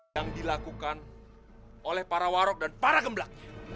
yang dilakukan oleh para warog dan para gemblaknya